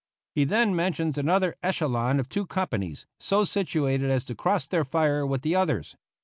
He then mentions another echelon of two companies, so situated as to cross their fire with the others.